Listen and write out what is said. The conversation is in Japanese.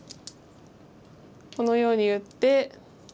このように打って。